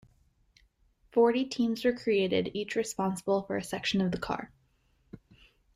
Forty teams were created, each responsible for a section of the car.